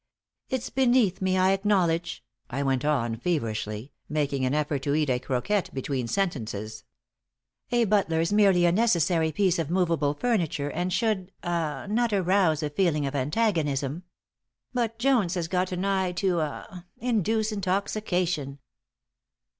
"It's beneath me, I acknowledge," I went on, feverishly, making an effort to eat a croquette between sentences. "A butler's merely a necessary piece of movable furniture, and should ah not arouse a feeling of antagonism. But Jones has got an eye to ah induce intoxication."